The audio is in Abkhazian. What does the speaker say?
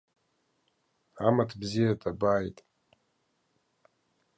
Амаҭ бзиа дабааит!